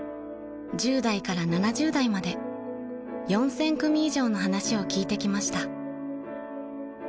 ［１０代から７０代まで４，０００組以上の話を聞いてきました］